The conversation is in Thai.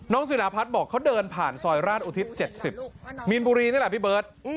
ศิลาพัฒน์บอกเขาเดินผ่านซอยราชอุทิศ๗๐มีนบุรีนี่แหละพี่เบิร์ต